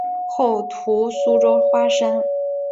后徙苏州花山。